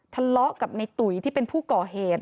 ทะเลาะกับในตุ๋ยที่เป็นผู้ก่อเหตุ